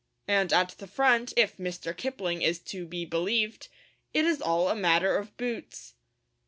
And at the front, if Mr. Kipling is to be believed, it is all a matter of boots.